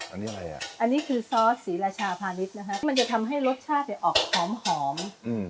อันนี้คือซอสสีราชาพาณิชนะครับมันจะทำให้รสชาติออกหอมหอมอืม